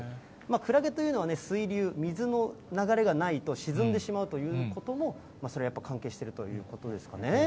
クラゲというのは、水流、水の流れがないと沈んでしまうということも、こちら、関係してるということでしょうかね。